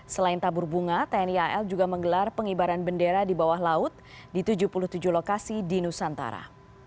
selain tabur bunga tni al juga menggelar pengibaran bendera di bawah laut di tujuh puluh tujuh lokasi di nusantara